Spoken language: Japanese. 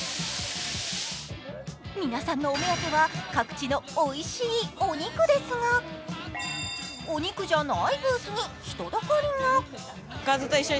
皆さんのお目当ては各地のおいしいお肉ですが、お肉じゃないブースに人だかりが。